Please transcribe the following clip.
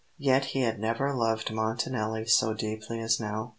Yet he had never loved Montanelli so deeply as now.